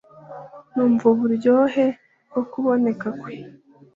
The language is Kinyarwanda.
Numva uburyohe bwo kuboneka kwe